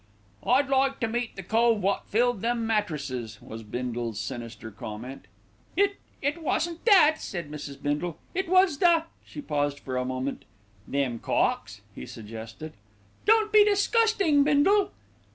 "I'd like to meet the cove wot filled them mattresses," was Bindle's sinister comment. "It it wasn't that," said Mrs. Bindle. "It was the " She paused for a moment. "Them cocks," he suggested. "Don't be disgusting, Bindle."